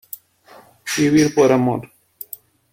Vivir por amor.